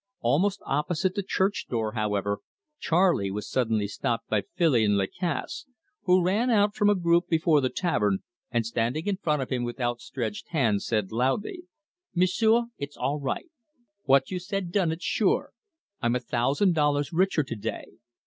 Almost opposite the church door, however, Charley was suddenly stopped by Filion Lacasse, who ran out from a group before the tavern, and, standing in front of him with outstretched hand, said loudly: "M'sieu', it's all right. What you said done it, sure! I'm a thousand dollars richer to day.